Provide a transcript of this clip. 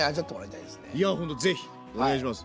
いやほんと是非お願いします！